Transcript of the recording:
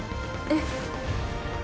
えっ。